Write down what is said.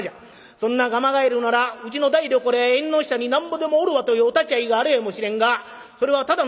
そんながまがえるならうちの台所や縁の下になんぼでもおるわというお立ち会いがあるやもしれんがそれはただのおたまがえるひきがえる。